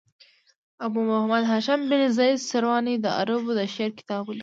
ابو محمد هاشم بن زید سرواني د عربو د شعر کتاب ولیکه.